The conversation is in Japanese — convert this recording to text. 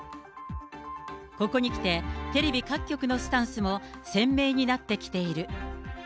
ここにきて、テレビ各局のスタンスも鮮明になってきている。